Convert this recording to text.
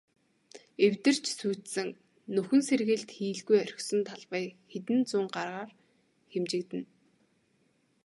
Эвдэрч сүйдсэн, нөхөн сэргээлт хийлгүй орхисон талбай хэдэн зуун гагаар хэмжигдэнэ.